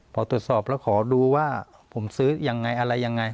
พอตรวจสอบแล้วขอดูว่าผมซื้อยังไงอะไรยังไง